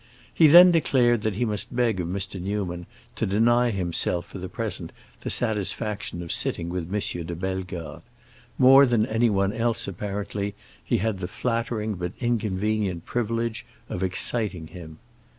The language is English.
He then declared that he must beg of Mr. Newman to deny himself for the present the satisfaction of sitting with M. de Bellegarde; more than anyone else, apparently, he had the flattering but inconvenient privilege of exciting him.